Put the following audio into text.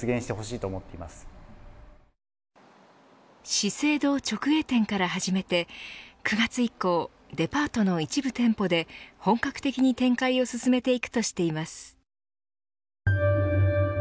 資生堂直営店から始めて９月以降デパートの一部店舗で本格的に展開を進めていくとしています。